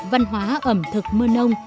văn hóa ẩm thực mân âu